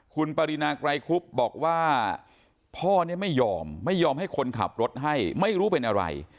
คุณปรินาไกรคุบบอกว่าพ่อเนี่ยไม่ยอมไม่ยอมให้คนขับรถให้ไม่รู้เป็นอะไร